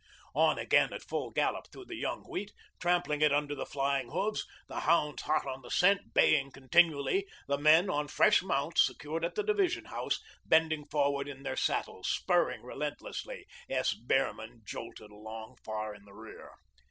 On again, at full gallop, through the young wheat, trampling it under the flying hoofs; the hounds hot on the scent, baying continually; the men, on fresh mounts, secured at the division house, bending forward in their saddles, spurring relentlessly. S. Behrman jolted along far in the rear.